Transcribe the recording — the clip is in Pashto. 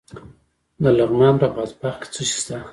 د لغمان په بادپخ کې څه شی شته؟